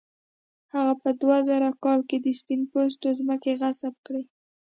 هغه په دوه زره کال کې د سپین پوستو ځمکې غصب کړې.